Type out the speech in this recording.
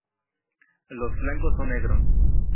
Los flancos son negros.